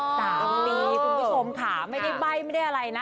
คุณผู้ชมถามไม่ได้ใบ้ไม่ได้อะไรนะ